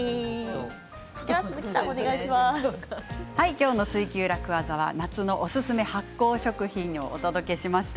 今日の「ツイＱ楽ワザ」は夏のおすすめ発酵食品をお届けしました。